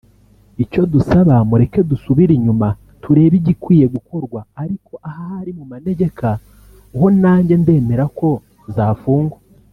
Icyo dusaba mureke dusubire inyuma turebe igikwiye gukorwa ariko ahari mu manegeka ho nanjye ndemera ko zafungwa